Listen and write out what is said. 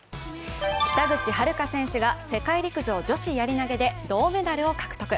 北口榛花選手が世界陸上女子やり投で銅メダルを獲得。